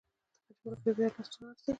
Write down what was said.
دغه جمله په بيا بيا لوستلو ارزي.